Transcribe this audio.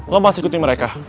lo masih ikuti mereka